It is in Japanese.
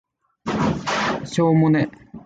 しょーもね